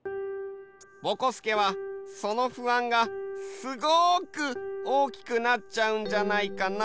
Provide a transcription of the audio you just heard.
ぼこすけはその不安がすごくおおきくなっちゃうんじゃないかな？